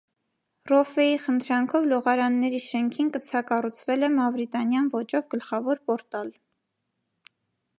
Ռոֆֆեի խնդրանքով լողարանների շենքին կցակառուցվել է մավրիտանյան ոճով գլխավոր պորտալ։